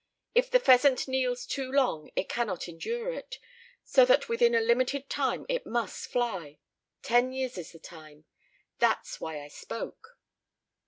If the pheasant kneels too long it cannot endure it, so that within a limited time it must fly. Ten years is the time; that's why I spoke."